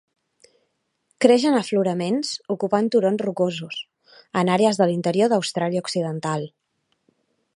Creix en afloraments, ocupant turons rocosos, en àrees de l'interior d'Austràlia Occidental.